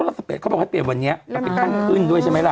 เขาบอกว่าเปลี่ยนพันธุ์ตั้งขึ้นด้วยใช่ไหมล่ะ